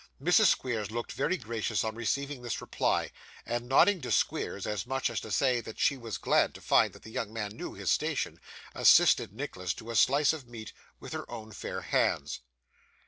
Mrs. Squeers looked vastly gracious on receiving this reply; and nodding to Squeers, as much as to say that she was glad to find the young man knew his station, assisted Nicholas to a slice of meat with her own fair hands.